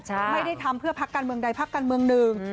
ไม่ได้ทำเพื่อพักการเมืองใดพักการเมืองหนึ่ง